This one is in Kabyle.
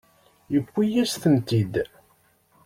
Yewwi-yas-tent-id.